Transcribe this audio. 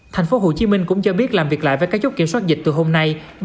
thành phố hồ chí minh cũng cho biết làm việc lại với các chốt kiểm soát dịch từ hôm nay